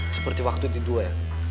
seperti waktu itu ya